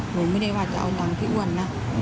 หนูไม่ได้ว่าจะเอาตังค์พี่อ้วนนะ